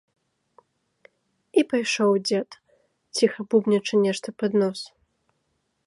І пайшоў дзед, ціха бубнячы нешта пад нос.